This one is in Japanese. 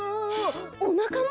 おなかも！？